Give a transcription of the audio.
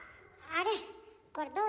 あれ？